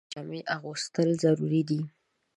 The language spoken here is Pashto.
• د واورې پر مهال تودې جامې اغوستل ضروري دي.